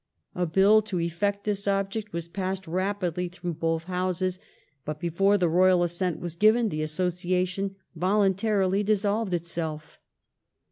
A Bill to effect this object was passed rapidly through both Houses, but before the Royal assent was given the Associa tion voluntarily dissolved itself.